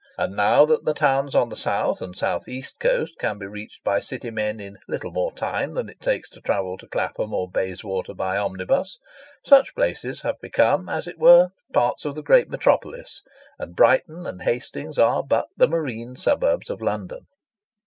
And now that the towns on the south and south east coast can be reached by city men in little more time than it takes to travel to Clapham or Bayswater by omnibus, such places have become as it were parts of the great metropolis, and Brighton and Hastings are but the marine suburbs of London.